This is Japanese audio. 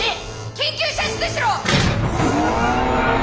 緊急射出しろ！